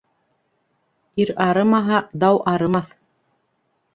Ир арымаһа, дау арымаҫ.